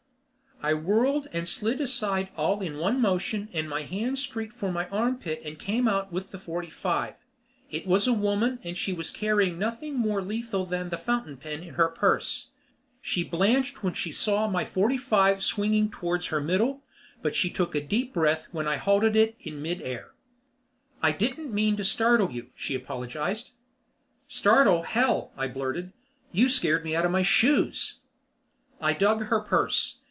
I whirled and slid aside all in one motion and my hand streaked for my armpit and came out with the forty five. It was a woman and she was carrying nothing more lethal than the fountain pen in her purse. She blanched when she saw my forty five swinging towards her middle, but she took a deep breath when I halted it in midair. "I didn't mean to startle you," she apologized. "Startle, hell!" I blurted. "You scared me out of my shoes." I dug her purse.